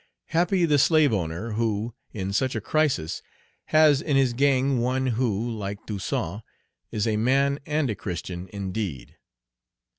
Happy the slave owner who, in such a crisis, has in his gang one who, like Toussaint, is a man and a Christian indeed.